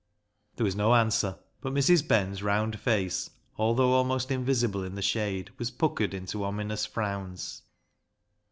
" There was no answer, but Mrs. Ben's round face, although almost invisible in the shade, was puckered into ominous frowns.